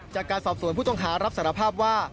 จากการสอบสวนผู้ต้องหารับสารภาพว่า